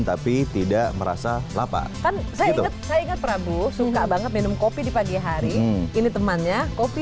tapi tidak merasa lapar kan saya ingat saya ingat prabu suka banget minum kopi di pagi hari ini temannya kopi